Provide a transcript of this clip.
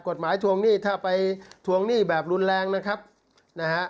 ทวงหนี้ถ้าไปทวงหนี้แบบรุนแรงนะครับนะฮะ